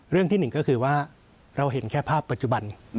ที่หนึ่งก็คือว่าเราเห็นแค่ภาพปัจจุบัน